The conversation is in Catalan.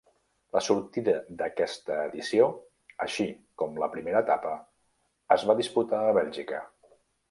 La sortida d'aquesta edició, així com la primera etapa, es va disputar a Bèlgica.